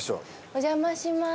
お邪魔します。